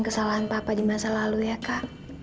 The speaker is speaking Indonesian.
kesalahan papa di masa lalu ya kak